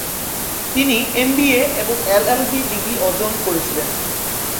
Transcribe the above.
তিনি এমবিএ এবং LLB degree অর্জন করেছিলেন।